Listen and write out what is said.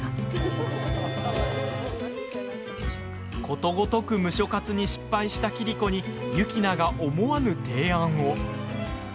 ことごとくムショ活に失敗した桐子に雪菜が思わぬ提案を。